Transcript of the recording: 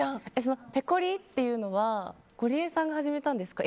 ペコリっていうのはゴリエさんが始めたんですか？